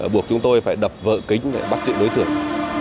buộc chúng tôi phải đập vỡ kính để bắt giữ đối tượng